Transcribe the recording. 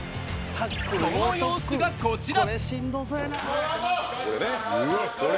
その様子がこちら。